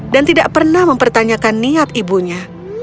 dan tidak pernah mempertanyakan niat ibunya